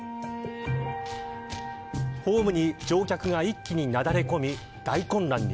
ホームに乗客が一気になだれ込み大混乱に。